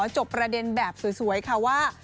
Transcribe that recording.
จบประเด็นแบบสวยค่ะว่า